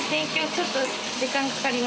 ちょっと時間かかります。